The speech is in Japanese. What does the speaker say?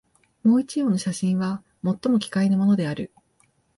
もう一葉の写真は、最も奇怪なものである